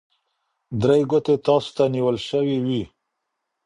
درې ګوتې تاسو ته نیول شوي وي.